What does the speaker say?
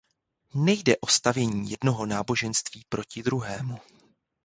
Nejde o stavění jednoho náboženství proti druhému.